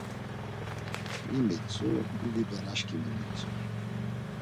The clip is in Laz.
Mi mitzu, didi benaşǩimi mitzu.